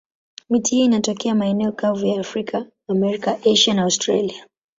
Miti hii inatokea maeneo kavu ya Afrika, Amerika, Asia na Australia.